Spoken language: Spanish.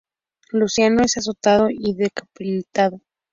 Luciano es azotado y decapitado.